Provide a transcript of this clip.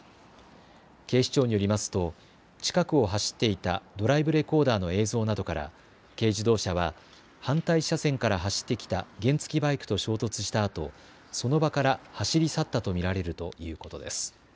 警視庁によりますと近くを走っていたドライブレコーダーの映像などから軽自動車は反対車線から走ってきた原付きバイクと衝突したあと、その場から走り去ったと見られるということです。